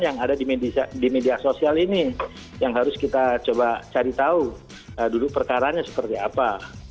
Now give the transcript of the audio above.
yang ada di media sosial ini yang harus kita coba cari tahu duduk perkaranya seperti apa